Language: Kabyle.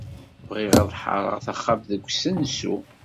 Bɣiɣ ad ḥeṛṛeɣ taxxamt deg usensu.